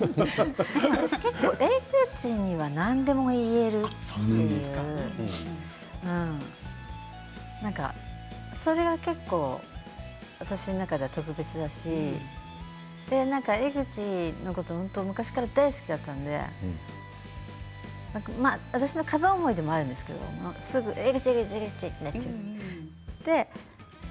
私、江口には何でも言えるそれが結構私の中では特別だし、江口のこと昔から大好きだったので私の片思いでもあるんですけど江口、江口ってなっちゃって。